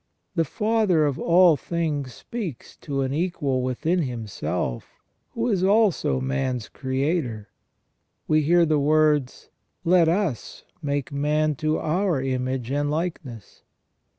The Father of all things speaks to an equal within Himself, who is also man's creator. We hear the words :" Let us make man to our image and likeness